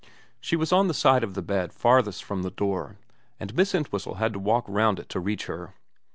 She was on the side of the bed farthest from the door, and Miss Entwhistle had to walk round it to reach her.